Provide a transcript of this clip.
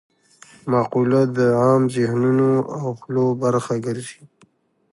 مقوله د عام ذهنونو او خولو برخه ګرځي